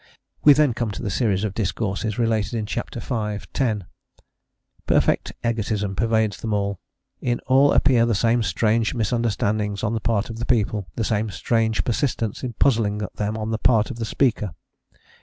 We then come to the series of discourses related in ch. v. 10. Perfect egotism pervades them all; in all appear the same strange misunderstandings on the part of the people, the same strange persistence in puzzling them on the part of the speaker.